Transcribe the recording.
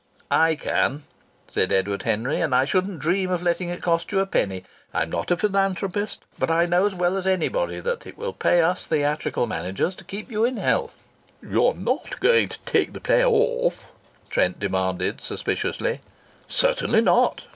"I can!" said Edward Henry. "And I shouldn't dream of letting it cost you a penny. I'm not a philanthropist. But I know as well as anybody that it will pay us theatrical managers to keep you in health." "You're not going to take the play off?" Trent demanded suspiciously. "Certainly not!"